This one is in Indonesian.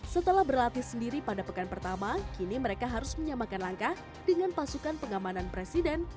setelah berlatih sendiri pada pekan pertama kini mereka harus menyamakan langkah dengan pasukan pengamanan presiden